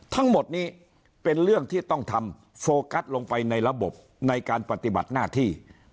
ทั้งหมดนี้เป็นเรื่องที่ต้องทำโฟกัสลงไปในระบบในการปฏิบัติหน้าที่